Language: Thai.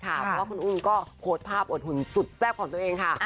เพราะว่าคุณอุ้มก็โพสต์ภาพอดหุ่นสุดแซ่บของตัวเองค่ะ